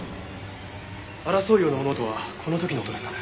争うような物音はこの時の音ですかね？